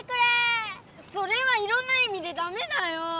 それはいろんないみでダメだよ！